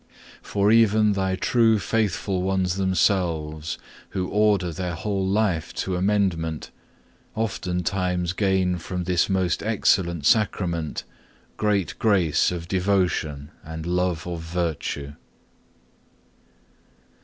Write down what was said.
For even thy true faithful ones themselves, who order their whole life to amendment, oftentimes gain from this most excellent Sacrament great grace of devotion and love of virtue.